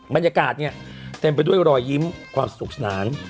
บรรยากาศเนี่ยเต็มไปด้วยรอยยิ้มความสนุกสนาน